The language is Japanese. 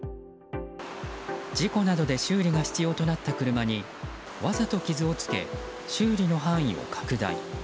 事故などで修理が必要となった車に、わざと傷をつけ修理の範囲を拡大。